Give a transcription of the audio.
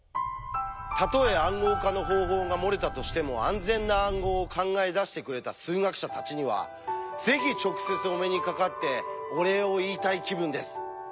たとえ「暗号化の方法」が漏れたとしても安全な暗号を考え出してくれた数学者たちにはぜひ直接お目にかかってお礼を言いたい気分です。